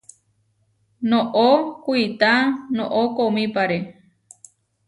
Noʼó kuitá noʼó koomípare.